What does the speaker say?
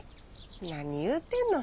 何言うてんの。